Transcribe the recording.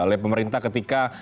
oleh pemerintah ketika